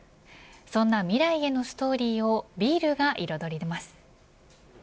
そんな未来へのストーリーをビールが彩ります。